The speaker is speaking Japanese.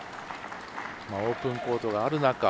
オープンコートがある中